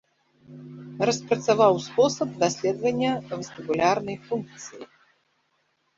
Распрацаваў спосаб даследавання вестыбулярнай функцыі.